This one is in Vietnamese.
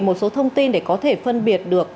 một số thông tin để có thể phân biệt được